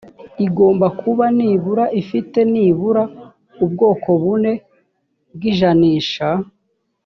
igomba kuba nibura ifite nibura ubwoko bune bw ijanisha